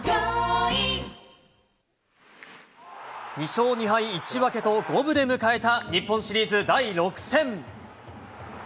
２勝２敗１分けと、五分で迎えた日本シリーズ第６戦。